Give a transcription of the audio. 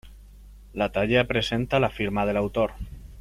La talla presenta la firma del autor.